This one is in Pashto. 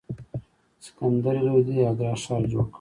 سکندر لودي اګره ښار جوړ کړ.